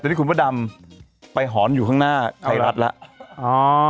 ตอนนี้คุณพระดำไปหอนอยู่ข้างหน้าไทยรัฐแล้ว